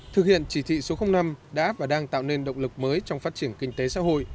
thực hiện chỉ thị số năm đã và đang tạo nên động lực mới trong phát triển kinh tế xã hội